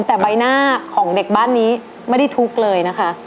แต่ใบหน้าของเด็กบ้านนี้ไม่ได้ทุกข์เลยนะคะ